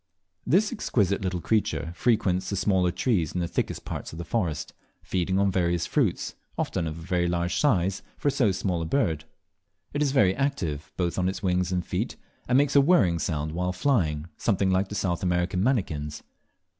This exquisite little creature frequents the smaller trees in the thickest parts of the forest, feeding on various fruits; often of a very large size for so small a bird. It is very active both on its wings and feet, and makes a whirring sound while flying, something like the South American manakins.